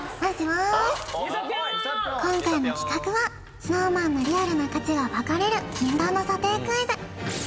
ちょっと今回の企画はＳｎｏｗＭａｎのリアルな価値が暴かれる禁断の査定クイズイエーイ！